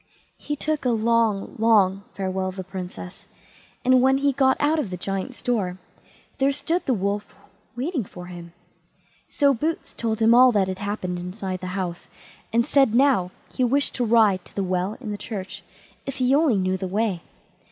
He took a long, long farewell of the Princess, and when he got out of the Giant's door, there stood the Wolf waiting for him. So Boots told him all that had happened inside the house, and said now he wished to ride to the well in the church, if he only knew the way.